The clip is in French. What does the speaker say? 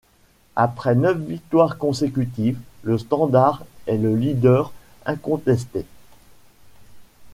Après neuf victoires consécutives, le Standard est le leader incontesté.